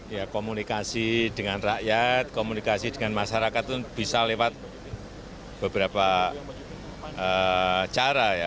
ya komunikasi dengan rakyat komunikasi dengan masyarakat itu bisa lewat beberapa cara ya